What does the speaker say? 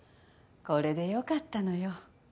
これで良かったのよ。